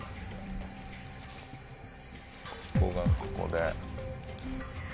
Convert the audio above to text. ここがここで。